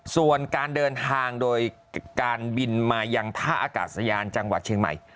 ส่วนการเดินทางโดยการบินมายังท่าอากาศยานจังหวัดเชียงใหม่